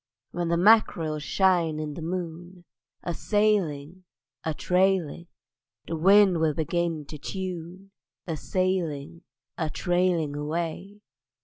When the mack'rel shine in the moon, A sailing, a trailing; Then the wind will begin to tune: A sailing, a trailing away.